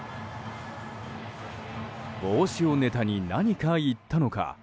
帽子をネタに何か言ったのか。